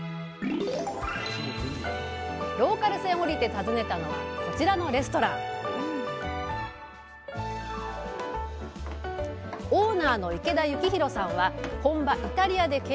ローカル線を降りて訪ねたのはこちらのレストランオーナーの池田征弘さんは本場イタリアで経験を積み